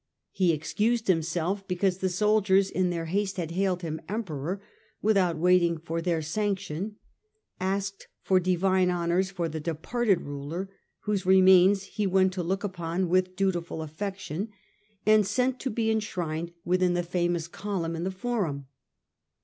He excused himself because the soldiers in their haste had hailed him Emperor without waiting for their sanction, asked for divine honours for the departed ruler, whose remains he went to look upon with dutiful affection, and r^ent to be enshrined within the famous column in the forum.